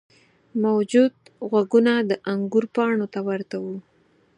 موجود غوږونه د انګور پاڼو ته ورته وو.